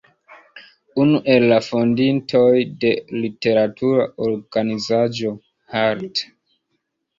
Unu el la fondintoj de literatura organizaĵo "Hart'.